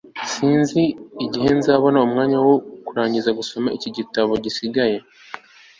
sinzi igihe nzabona umwanya wo kurangiza gusoma iki gitabo gisigaye